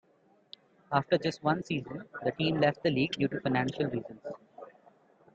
After just one season, the team left the league due to financial reasons.